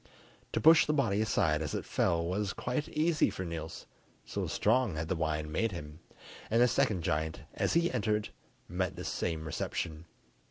To push the body aside as it fell was quite easy for Niels, so strong had the wine made him, and the second giant as he entered met the same reception.